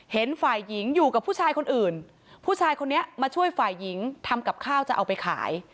เห็นฝ่ายหญิงอยู่กับผู้ชายคนอื่นผู้ชายคนนี้มาช่วยฝ่ายหญิงทำกับข้าวจะเอาไปขาย